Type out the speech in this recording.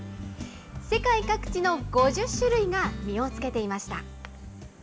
世界各地の５０種類が実をつけていました。